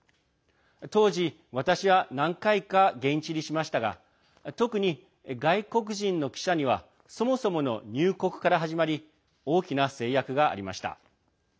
当時、私は何回か現地入りしましたが特に外国人の記者にはそもそもの入国から始まり大きな制約がありました。